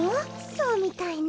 そうみたいね。